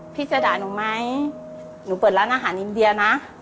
พี่จะด่าหนูไหมหนูเปิดร้านอาหารอินเดียนะ